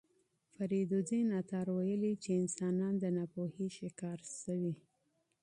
فریدالدین عطار ویلي چې انسانان د ناپوهۍ ښکار شوي.